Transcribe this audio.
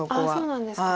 そうなんですか。